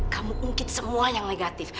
kamu ungkit semua yang negatif